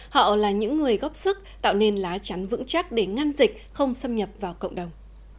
họ là những người góp sức tạo nên lá chắn vững chắc để ngăn dịch không xâm nhập vào cộng đồng